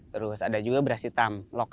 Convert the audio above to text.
terus ada juga beras hitam